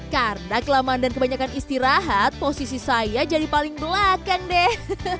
karena kelamaan dan kebanyakan istirahat posisi saya jadi paling belakang deh